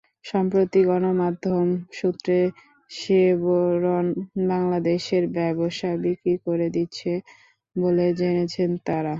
সম্প্রতি গণমাধ্যম সূত্রে শেভরন বাংলাদেশের ব্যবসা বিক্রি করে দিচ্ছে বলে জেনেছেন তাঁরা।